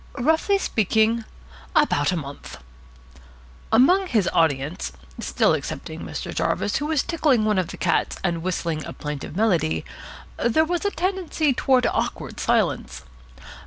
"Roughly speaking, about a month." Among his audience (still excepting Mr. Jarvis, who was tickling one of the cats and whistling a plaintive melody) there was a tendency toward awkward silence.